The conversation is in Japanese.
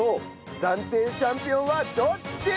暫定チャンピオンはどっち！？